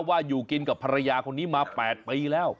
ว่าอยู่กินกับภรรยาคนนี้มา๘ปีแล้ว